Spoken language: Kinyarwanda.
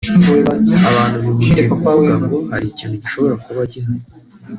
Abantu bihutiye kuvuga ngo hari ikintu gishobora kuba gihari